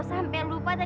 aku nunggu sampai jauh